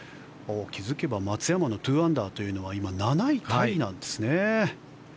気付けば松山の２アンダーというのは今、７位タイなんですね。